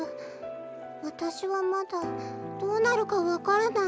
わたしはまだどうなるかわからない。